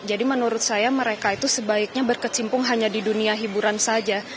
jadi menurut saya mereka itu sebaiknya berkecimpung hanya di dunia hiburan saja